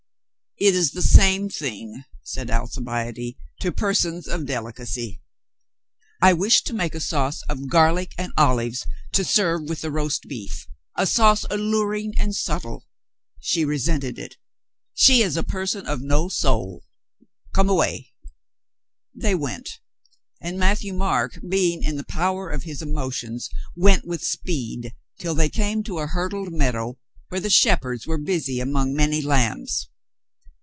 "It is the same thing," said Alcibiade, "to persons of delicacy." "I wished to make a sauce of garlic and olives to serve with the roast beef — a sauce alluring and subtle. She resented it. She Is a person of no soul. Come away." 60 COLONEL STOW AGAIN INSPIRED 6i They went, and, Matthieu Marc being in the power of his emotions, went with speed till they came to a hurdled meadow, where the shepherds were busy among many lambs.